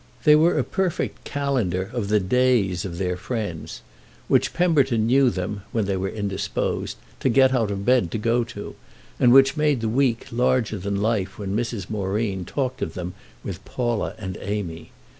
They were a perfect calendar of the "days" of their friends, which Pemberton knew them, when they were indisposed, to get out of bed to go to, and which made the week larger than life when Mrs. Moreen talked of them with Paula and Amy.